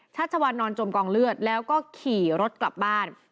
ชัชวานนอนจมกองเลือดแล้วก็ขี่รถกลับบ้าน